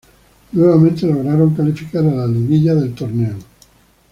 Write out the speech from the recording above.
Nuevamente lograron calificar a la liguilla del torneo.